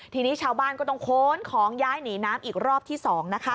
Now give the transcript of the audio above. ทีนี้ชาวบ้านก็ต้องโค้นของย้ายหนีน้ำอีกรอบที่๒นะคะ